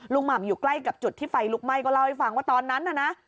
หม่ำอยู่ใกล้กับจุดที่ไฟลุกไหม้ก็เล่าให้ฟังว่าตอนนั้นน่ะนะ